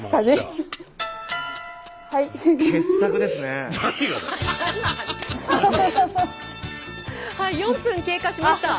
はい４分経過しました。